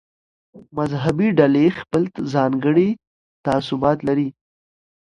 مذهبي ډلې خپل ځانګړي تعصبات لري.